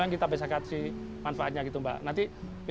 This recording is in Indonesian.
kita beri manfaat untuk orang lain